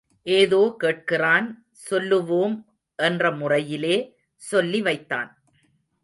ஏதோ கேட்கிறான் சொல்லுவோம் என்ற முறையிலே சொல்லி வைத்தான்.